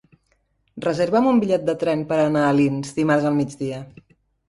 Reserva'm un bitllet de tren per anar a Alins dimarts al migdia.